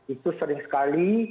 itu sering sekali